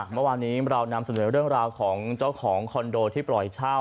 เมื่อวานนี้เรานำเสนอเรื่องราวของเจ้าของคอนโดที่ปล่อยเช่า